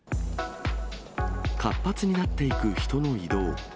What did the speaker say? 活発になっていく人の移動。